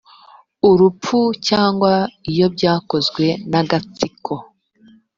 urupfu cyangwa iyo byakozwe n agatsiko